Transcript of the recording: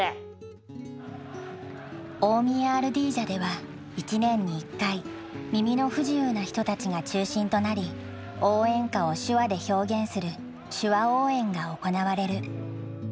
大宮アルディージャでは１年に１回耳の不自由な人たちが中心となり応援歌を手話で表現する手話応援が行われる。